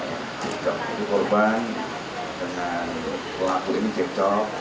ini korban dengan pelaku ini cekcok